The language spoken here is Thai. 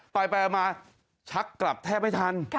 ไปมาชักกลับแทบไม่ทัน